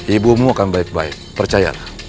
ibumu akan baik baik percayalah